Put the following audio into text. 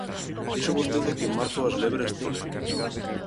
Dixo vostede que en marzo as lebres tolean.